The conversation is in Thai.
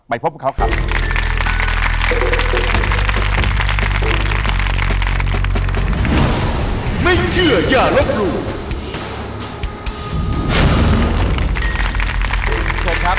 ไปพบกันครับ